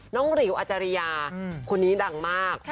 น้องริวอาจารยาคนนี้ดังมากใช่